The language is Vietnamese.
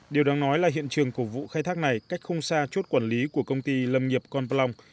điều đáng nói là hiện trường của vụ khai thác này cách không xa chốt quản lý của công ty lâm nghiệp con plong